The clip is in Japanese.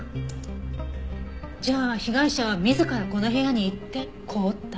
じゃあ被害者は自らこの部屋に行って凍った。